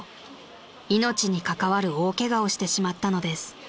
［命にかかわる大ケガをしてしまったのです］